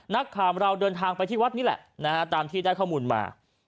นักข่าวเราเดินทางไปที่วัดนี้แหละนะฮะตามที่ได้ข้อมูลมา